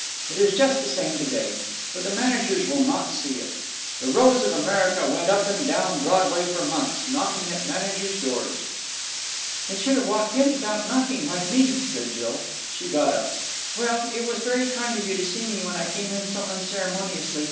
It is just the same to day. But the managers will not see it. 'The Rose of America' went up and down Broadway for months, knocking at managers' doors." "It should have walked in without knocking, like me," said Jill. She got up. "Well, it was very kind of you to see me when I came in so unceremoniously.